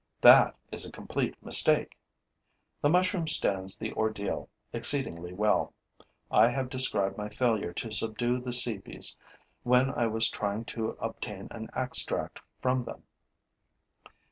That is a complete mistake. The mushroom stands the ordeal exceedingly well. I have described my failure to subdue the cepes when I was trying to obtain an extract from them.